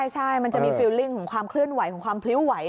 ใช่มันจะมีฟิลลิ่งของความเคลื่อนไหวของความพลิ้วไหว